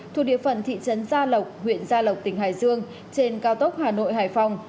thuộc địa phận thị trấn gia lộc huyện gia lộc tỉnh hải dương trên cao tốc hà nội hải phòng